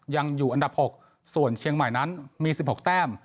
ยังอยู่อันดับ๖ส่วนเชียงใหม่นั้นมี๑๖แต้ม